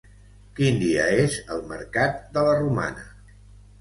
Quin dia és el mercat de la Romana?